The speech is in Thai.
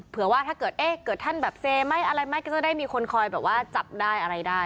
เผื่อว่าถ้าเกิดท่านแบบเซไม่อะไรไม่ก็จะได้มีคนคอยแบบว่าจับได้อะไรได้